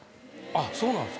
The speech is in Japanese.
あっそうなんですか。